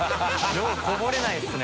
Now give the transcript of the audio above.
よくこぼれないですね。